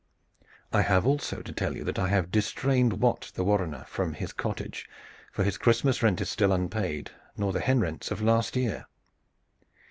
"I have also to tell you that I have distrained Wat the warrener from his cottage, for his Christmas rent is still unpaid, nor the hen rents of last year."